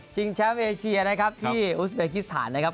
แชมป์เอเชียนะครับที่อุสเบกิสถานนะครับ